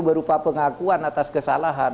berupa pengakuan atas kesalahan